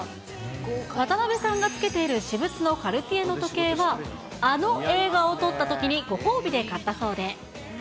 渡辺さんがつけている私物のカルティエの時計は、あの映画を撮ったときにご褒美で買ったそうで。